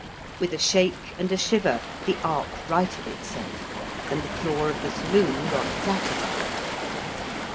With a shake and a shiver the ark righted itself, and the floor of the saloon got flat again.